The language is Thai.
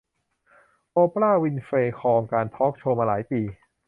โอปรา วินเฟรย์ ครองการทอล์คโชว์มาหลายปี